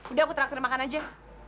udah aku traktir makan aja